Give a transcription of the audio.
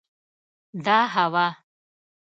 دا هوا